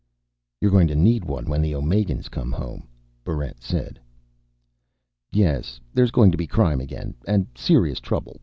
"You're going to need one when the Omegans come home," Barrent said. "Yes. There's going to be crime again, and serious trouble.